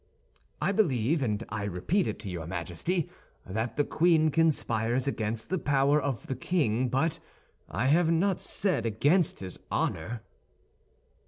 "I believe, and I repeat it to your Majesty, that the queen conspires against the power of the king, but I have not said against his honor."